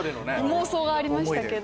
妄想がありました。